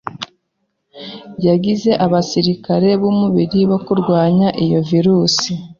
yagize abasirikare b'umubiri bo kurwanya iyo virusi